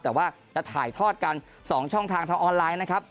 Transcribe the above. แต่ว่าจะถ่ายทอดกัน๒ช่องทางทางออนไลน์นะครับ